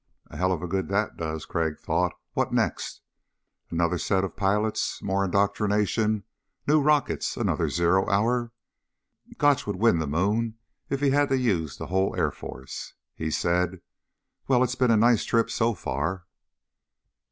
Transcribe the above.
A helluva lot of good that does, Crag thought. What next? Another set of pilots, more indoctrination, new rockets, another zero hour. Gotch would win the moon if he had to use the whole Air Force. He said, "Well, it's been a nice trip, so far."